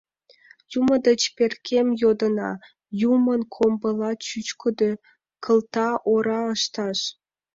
Юмо деч перкем йодына: юмын комбыла чӱчкыдӧ кылта ора ышташ.